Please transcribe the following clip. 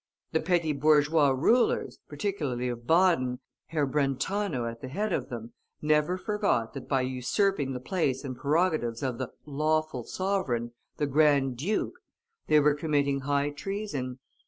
The petty bourgeois rulers, particularly of Baden Herr Brentano at the head of them never forgot that by usurping the place and prerogatives of the "lawful" sovereign, the Grand Duke, they were committing high treason.